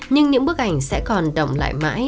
nhưng những bức ảnh sẽ còn động lại mãi